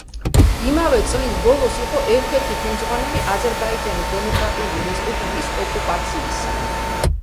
იმავე წლის ბოლოს იყო ერთ-ერთი ხელმძღვანელი აზერბაიჯანის დემოკრატიული რესპუბლიკის ოკუპაციისა.